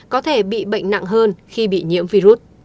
có thể bị bệnh nặng hơn khi bị nhiễm virus